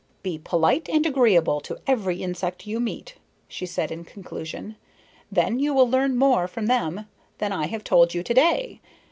"Be polite and agreeable to every insect you meet," she said in conclusion, "then you will learn more from them than I have told you to day.